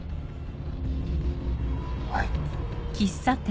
はい。